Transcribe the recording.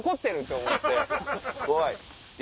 怖い。